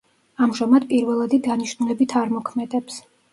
ამჟამად პირველადი დანიშნულებით არ მოქმედებს.